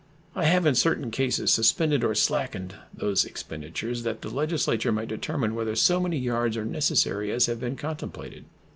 I have in certain cases suspended or slackened these expenditures, that the Legislature might determine whether so many yards are necessary as have been contemplated.